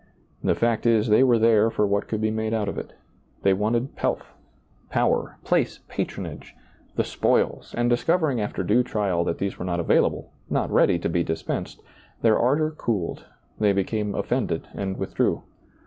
The feet is they were there for what could be made out of it They wanted pelf, power, place, patronage, the spoils, and discovering after due trial that these were not available, not ready to be dispensed, their ardor cooled, they became oiTended and withdrew.